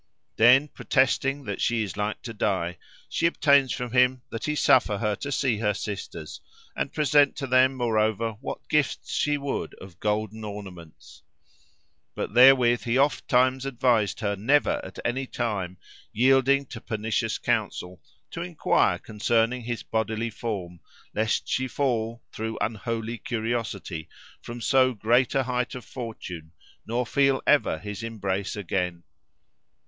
Then, protesting that she is like to die, she obtains from him that he suffer her to see her sisters, and present to them moreover what gifts she would of golden ornaments; but therewith he ofttimes advised her never at any time, yielding to pernicious counsel, to enquire concerning his bodily form, lest she fall, through unholy curiosity, from so great a height of fortune, nor feel ever his embrace again.